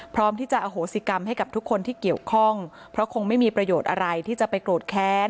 พร้อมที่จะอโหสิกรรมให้กับทุกคนที่เกี่ยวข้องเพราะคงไม่มีประโยชน์อะไรที่จะไปโกรธแค้น